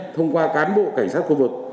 thông qua cán bộ cảnh sát khu vực